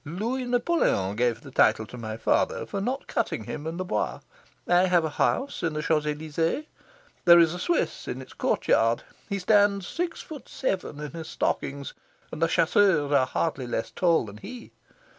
Louis Napoleon gave the title to my father for not cutting him in the Bois. I have a house in the Champs Elysees. There is a Swiss in its courtyard. He stands six foot seven in his stockings, and the chasseurs are hardly less tall than he.